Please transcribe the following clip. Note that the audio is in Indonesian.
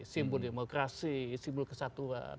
simbol demokrasi simbol kesatuan